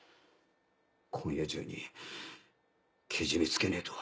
今夜中にケジメつけねえと。